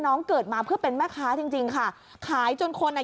เกิดมาเพื่อเป็นแม่ค้าจริงจริงค่ะขายจนคนอ่ะ